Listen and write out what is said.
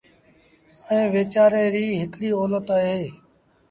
ائيٚݩ ويچآريٚ ريٚ هڪڙي اولت اهي